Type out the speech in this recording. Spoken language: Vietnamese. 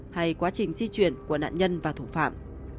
hay quá trình di chuyển của nạn nhân và thủ phạm